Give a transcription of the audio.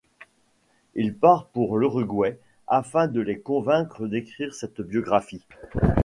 Il part pour l'Uruguay, afin de les convaincre d'écrire cette biographie.